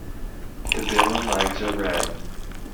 The bill and legs are red.